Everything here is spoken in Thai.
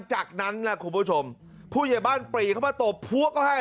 จากนั้นล่ะคุณผู้ชมผู้ใหญ่บ้านปรีเข้ามาตบพัวก็ให้